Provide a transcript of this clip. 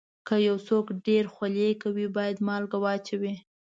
که یو څوک ډېر خولې کوي، باید مالګه واچوي.